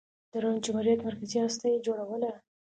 د روم جمهوریت مرکزي هسته یې جوړوله.